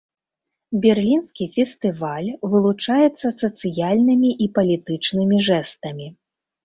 Берлінскі фестываль вылучаецца сацыяльнымі і палітычнымі жэстамі.